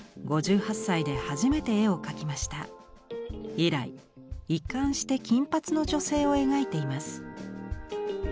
以来一貫して金髪の女性を描いています。